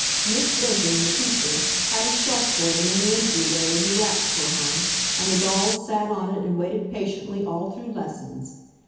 Miss Benton, the teacher, had a shelf for them in the entry way where the wraps were hung, and the dolls sat on it and waited patiently all through lessons.